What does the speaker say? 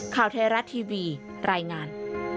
ข่าวไทยรัฐทีวีรายงาน